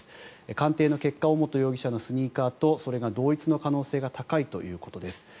鑑定の結果尾本容疑者のスニーカーとそれが同一の可能性が高いということです。